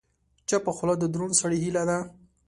چپه خوله، د دروند سړي هیله ده.